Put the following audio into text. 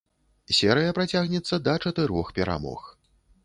Серыя працягнецца да чатырох перамог.